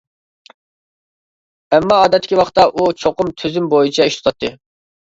ئەمما ئادەتتىكى ۋاقىتتا، ئۇ چوقۇم تۈزۈم بويىچە ئىش تۇتاتتى.